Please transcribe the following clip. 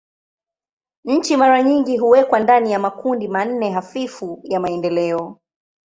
Nchi mara nyingi huwekwa ndani ya makundi manne hafifu ya maendeleo.